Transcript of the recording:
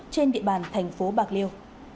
trên địa bàn tp bạc liêu